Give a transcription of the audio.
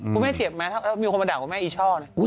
คุณแม่เจ็บไหมถ้ามีคนมาด่าวว่าแม่อีชอบนะ